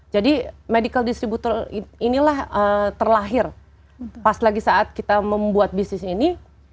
jadi medical distributor inilah terlahir pas lagi saat kita membuat bisnis ini